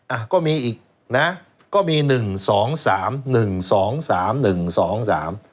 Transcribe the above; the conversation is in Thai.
อ่ะก็มีอีกนะก็มีหนึ่งสองสามหนึ่งสองสามหนึ่งสองสาม